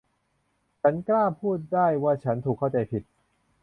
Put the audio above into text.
ฉันกล้าพูดได้ว่าฉันถูกเข้าใจผิด